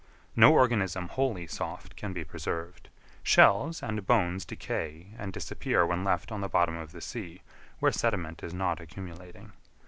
No organism wholly soft can be preserved. Shells and bones decay and disappear when left on the bottom of the sea, where sediment is not accumulating.